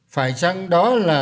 phải chăng đó là